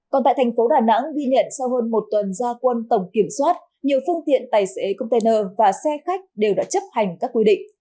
còn tại thành phố đà nẵng ghi nhận sau hơn một tuần gia quân tổng kiểm soát nhiều phương tiện tài xế container và xe khách đều đã chấp hành các quy định